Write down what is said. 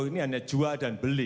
ini hanya jual dan beli